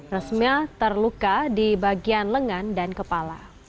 resmia terluka di bagian lengan dan kepala